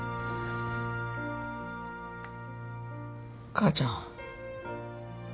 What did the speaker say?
母ちゃん。